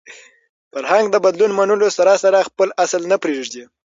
فرهنګ د بدلون منلو سره سره خپل اصل نه پرېږدي.